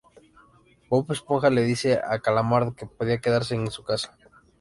Bob Esponja le dice a Calamardo que podía quedarse en su casa.